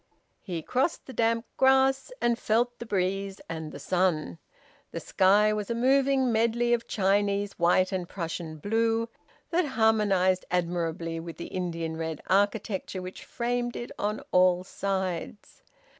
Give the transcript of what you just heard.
He crossed the damp grass, and felt the breeze and the sun. The sky was a moving medley of Chinese white and Prussian blue, that harmonised admirably with the Indian red architecture which framed it on all sides.